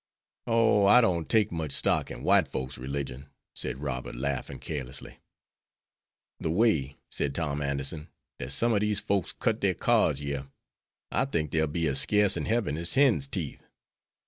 "Oh, I don't take much stock in white folks' religion," said Robert, laughing carelessly. "The way," said Tom Anderson, "dat some of dese folks cut their cards yere, I think dey'll be as sceece in hebben as hen's teeth.